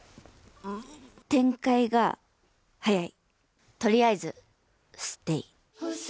展開が早いとりあえずステイ。